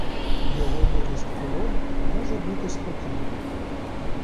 Його милість король може бути спокійний.